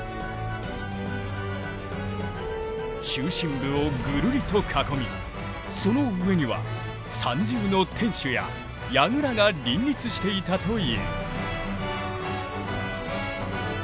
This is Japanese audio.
中心部をぐるりと囲みその上には三重の天守や櫓が林立していたという。